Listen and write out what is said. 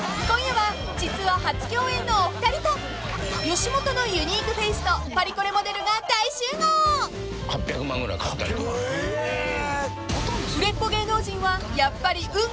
［今夜は実は初共演のお二人と吉本のユニークフェースとパリコレモデルが大集合］えっ！